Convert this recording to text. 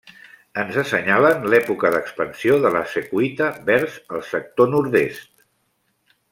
Ens assenyalen l'època d'expansió de la Secuita vers el sector nord-est.